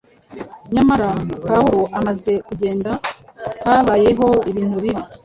Nyamara Pawulo amaze kugenda, habayeho ibintu bibi;